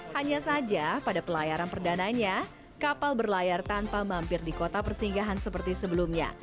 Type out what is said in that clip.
hanya saja pada pelayaran perdananya kapal berlayar tanpa mampir di kota persinggahan seperti sebelumnya